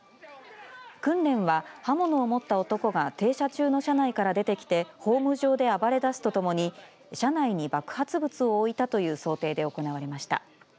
訓練は、刃物を持った男が停車中の車内から出てきてホーム上で暴れ出すとともに車内に爆発物を置いたという想定で行われました。